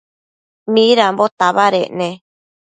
Midambo tabadec ne?